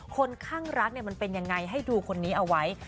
คนข้างรักมันเป็นยังไงให้ดูคนนี้เอาไว้